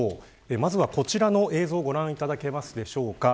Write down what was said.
まずはこちらの映像をご覧いただけますでしょうか。